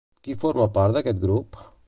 Qui forma part d'aquest grup?